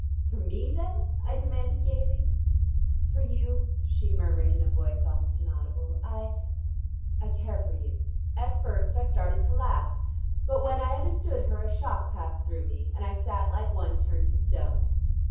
"For me, then?" I demanded gaily. "For you," she murmured in a voice almost inaudible. "I I care for you." At first I started to laugh, but when I understood her, a shock passed through me, and I sat like one turned to stone.